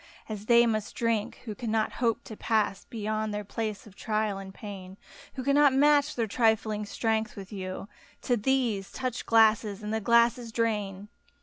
As they must drink, who cannot hope to pass Beyond their place of trial and of pain. Who cannot match their trifling strength with you; To these, touch glasses — ^and the glasses drain